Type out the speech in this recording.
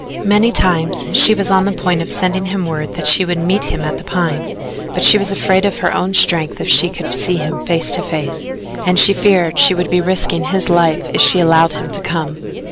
Many times she was on the point of sending him word that she would meet him at the Pine, but she was afraid of her own strength if she should see him face to face, and she feared she would be risking his life if she allowed him to come.